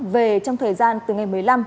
về trong thời gian từ ngày một mươi năm